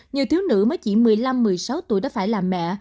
nhiều thiếu nữ mới chỉ một mươi năm một mươi sáu tuổi đã phải là mẹ